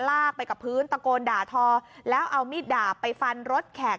ลากไปกับพื้นตะโกนด่าทอแล้วเอามีดดาบไปฟันรถแขก